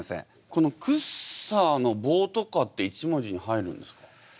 この「くっさー」の棒とかって１文字に入るんですか？